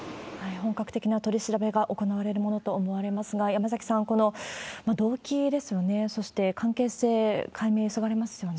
本格的な取り調べが行われるものと思われますが、山崎さん、この動機ですよね、そして関係性、解明急がれますよね。